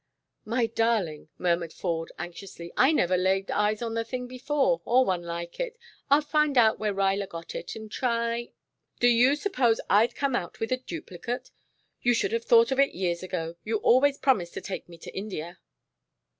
"My darling," murmured Ford anxiously, "I never laid eyes on the thing before, or on one like it. I'll find out where Ruyler got it, and try " "Do you suppose I'd come out with a duplicate? You should have thought of it years ago. You always promised to take me to India."